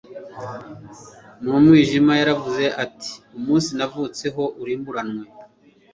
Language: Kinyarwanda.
numwijima yaravuze ati Umunsi navutseho urimburanwe